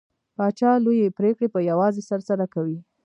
پاچا لوې پرېکړې په يوازې سر سره کوي .